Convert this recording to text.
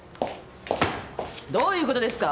どういうことですか？